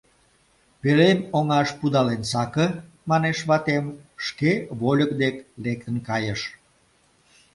— Пӧлем оҥаш пудален саке, — манеш ватем, шке вольык дек лектын кайыш.